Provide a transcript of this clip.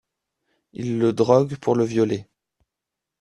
Il le drogue pour le violer.